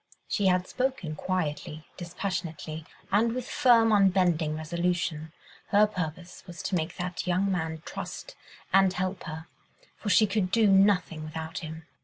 She had spoken quietly, dispassionately, and with firm, unbending resolution. Her purpose was to make that young man trust and help her, for she could do nothing without him.